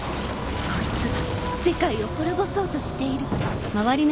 こいつは世界を滅ぼそうとしている。